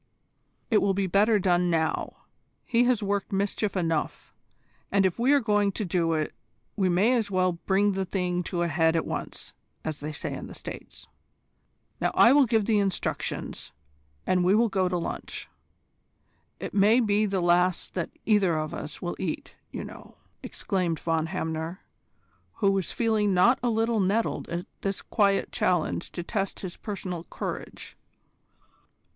"It will be better done now. He has worked mischief enough, and if we are going to do it we may as well bring the thing to a head at once, as they say in the States. Now I will give the instructions, and we will go to lunch. It may be the last that either of us will eat, you know." "Poof!" exclaimed Von Hamner, who was feeling not a little nettled at this quiet challenge to test his personal courage.